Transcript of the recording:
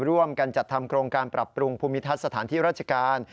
ร่วมกันจัดทำโครงการปรับปรุงภูมิทัศน์สถานที่ราชการ